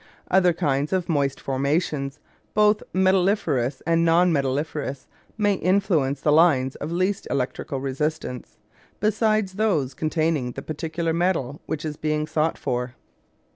Other kinds of moist formations, both metalliferous and non metalliferous, may influence the lines of least electrical resistance, besides those containing the particular metal which is being sought for.